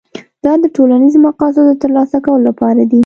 دا د ټولنیزو مقاصدو د ترلاسه کولو لپاره دي.